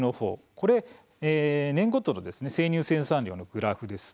これ、年ごとの生乳生産量のグラフです。